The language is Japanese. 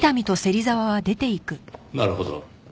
なるほど。